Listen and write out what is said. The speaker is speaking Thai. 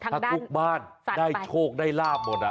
ถ้าทุกบ้านได้โชคได้ลาบหมด